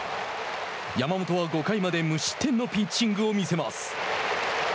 山本は５回まで無失点のピッチングを見せます。